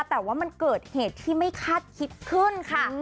แต่ว่ามันเกิดเหตุที่ไม่คาดคิดขึ้นค่ะ